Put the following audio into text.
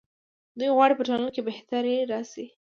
دوی غواړي په ټولنه کې بهتري راشي.